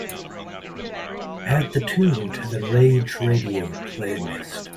Add the tune to the Rage Radio playlist.